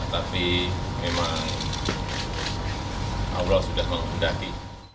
tapi memang allah sudah menghendaki